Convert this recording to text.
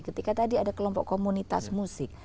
ketika tadi ada kelompok komunitas musik